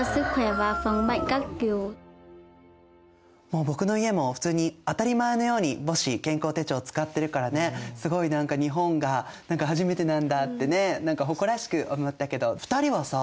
もう僕の家も普通に当たり前のように母子健康手帳を使ってるからねすごい何か日本が何か初めてなんだってね何か誇らしく思ったけど２人はさ